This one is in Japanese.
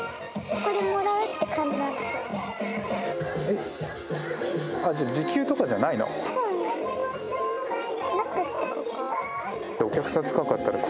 ここでもらうって感じなんです。